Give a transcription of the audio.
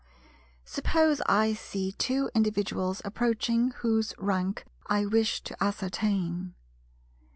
Suppose I see two individuals approaching whose rank I wish to ascertain.